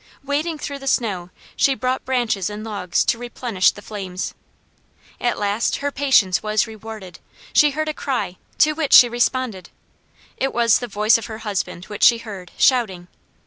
Wading through the snow she brought branches and logs to replenish the flames. At last her patience was rewarded: she heard a cry, to which she responded. It was the voice of her husband which she heard, shouting.